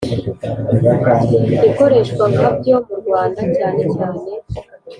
ikoreshwa nka byo mu Rwanda cyane cyane